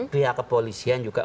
pihak kepolisian juga